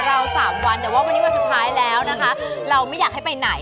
เราสามวันแต่ว่าวันนี้วันสุดท้ายแล้วนะคะเราไม่อยากให้ไปไหน